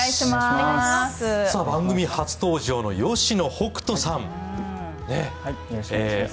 番組初登場の吉野北人さん。